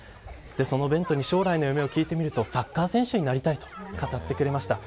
そのベントに将来の夢を聞いてみるとサッカー選手になりたいと語ってくれました。